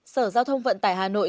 sở giao thông vận tải hà nội